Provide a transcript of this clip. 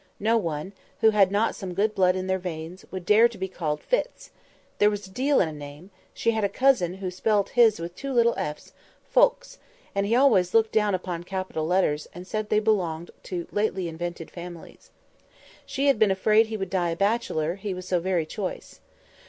No one, who had not some good blood in their veins, would dare to be called Fitz; there was a deal in a name—she had had a cousin who spelt his name with two little ffs—ffoulkes—and he always looked down upon capital letters and said they belonged to lately invented families. She had been afraid he would die a bachelor, he was so very choice.